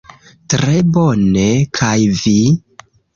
Tre bone, kaj vi?